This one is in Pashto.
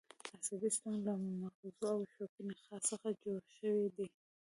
عصبي سیستم له مغزو او شوکي نخاع څخه جوړ شوی دی